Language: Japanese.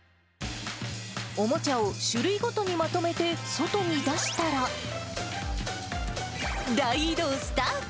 おもちゃを種類ごとにまとめて外に出したら、大移動スタート。